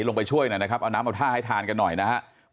ลงไปช่วยหน่อยนะครับเอาน้ำเอาท่าให้ทานกันหน่อยนะครับ